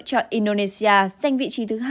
cho indonesia giành vị trí thứ hai